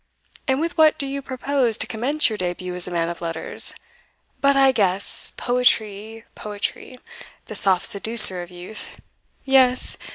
"And with what do you propose to commence your debut as a man of letters? But I guess poetry poetry the soft seducer of youth. Yes!